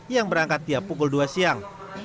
yang berangkat tiap pukul dua siang